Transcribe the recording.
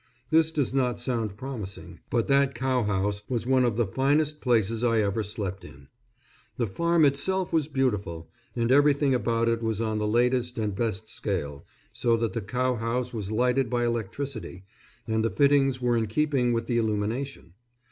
This does not sound promising; but that cow house was one of the finest places I ever slept in. The farm itself was beautiful, and everything about it was on the latest and best scale, so that the cow house was lighted by electricity, and the fittings were in keeping with the illumination.